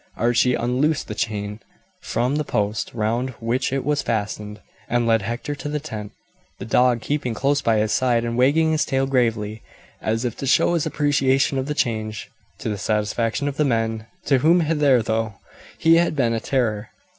Archie unloosed the chain from the post round which it was fastened, and led Hector to the tent, the dog keeping close by his side and wagging his tail gravely, as if to show his appreciation of the change, to the satisfaction of the men to whom hitherto he had been a terror.